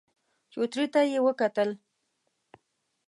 چوترې ته يې وکتل.